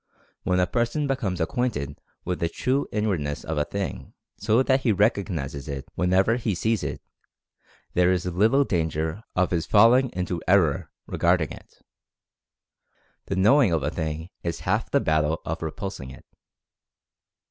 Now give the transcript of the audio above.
When a person becomes acquainted with the true in wardness of a thing, so that he recognizes it whenever he sees it, there is little danger of his falling into error regarding it. The knowing of a thing is half the bat tle of repulsing it.